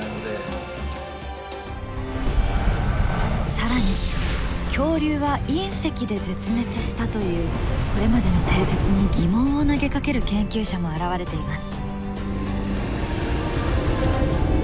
更に恐竜は隕石で絶滅したというこれまでの定説に疑問を投げかける研究者も現れています。